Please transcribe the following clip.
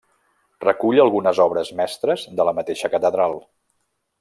Recull algunes obres mestres de la mateixa catedral.